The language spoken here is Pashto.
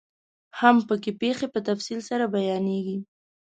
هم پکې پيښې په تفصیل سره بیانیږي.